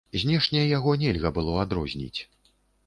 Знешне яго нельга было адрозніць.